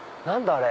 あれ。